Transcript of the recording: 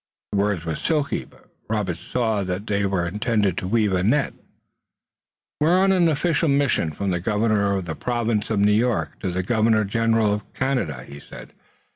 The words were silky, but Robert saw that they were intended to weave a net. "We are on an official mission from the Governor of the Province of New York to the Governor General of Canada," he said.